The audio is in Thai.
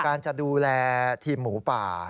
การจะดูแลทีมหมูป่า